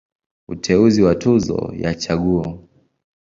Uteuzi wa Tuzo ya Chaguo.